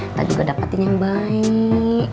ntar juga dapetin yang baik